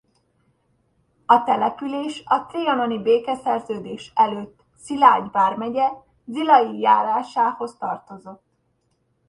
A település a trianoni békeszerződés előtt Szilágy vármegye Zilahi járásához tartozott.